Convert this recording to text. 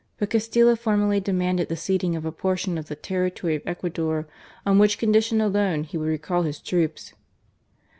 But Castilla formally demanded the ceding of a portion of the territory of Ecuador, on which condition alone he would recall his troops.